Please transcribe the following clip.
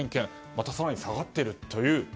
また更に下がっているという。